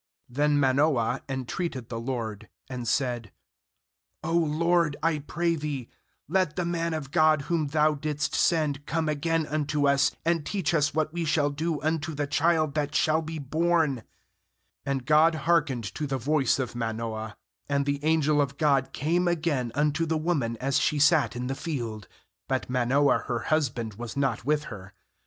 8Then Manoah entreated the LORD, and said: 'Oh, Lord, I pray Thee, let the man of God whom Thou didst send come again unto us, and teach us what we shall do unto the child that shall be born/ 9And God hearkened to the voice of Manoah; and the angel of God came again unto the woman as she sat in the field; but Manoah her husband was not with her.